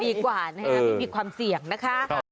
ดีกว่านะครับไม่มีความเสี่ยงนะคะ